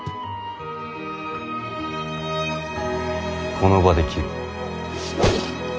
この場で斬る。